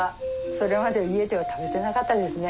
それまで家では食べてなかったですね。